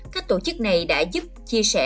các tổ chức này đã giúp chia sẻ